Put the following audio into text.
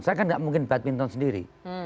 itu nggak mungkin badminton sendiri